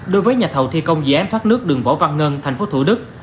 đối với nhà thầu thi công dự án thoát nước đường võ văn ngân thành phố thủ đức